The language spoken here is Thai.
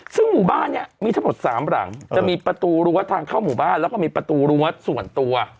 ซึ่งหมู่บ้านเนี่ยมีทั้งหมด๓หลังจะมีประตูรั้วทางเข้าหมู่บ้านแล้วก็มีประตูรั้วส่วนตัว